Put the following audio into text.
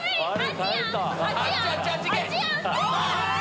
あ！